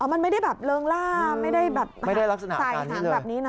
อ๋อมันไม่ได้แบบเลิงล่าไม่ได้แบบสายถังแบบนี้เลยไม่ได้ลักษณะการนี้เลย